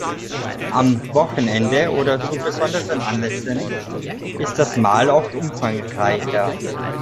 Am Wochenende oder zu besonderen Anlässen ist das Mahl oft umfangreicher.